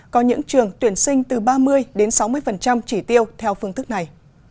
có những trường tuyển sinh từ ba mươi đến sáu mươi chỉ tiêu theo phương thức này